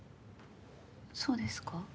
そうですか？